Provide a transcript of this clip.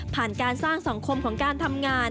การสร้างสังคมของการทำงาน